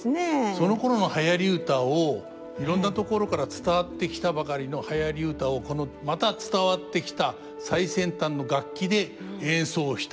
そのころのはやり歌をいろんな所から伝わってきたばかりのはやり歌をこのまた伝わってきた最先端の楽器で演奏した。